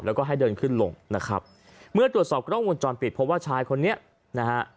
แล้วก็ให้เดินขึ้นลงนะครับเมื่อตรวจสอบกล้องวงจรปิดพบว่าชายคนนี้นะฮะ